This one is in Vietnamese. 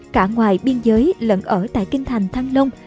cả ngoài biên giới lận ở tại kinh thành thăng long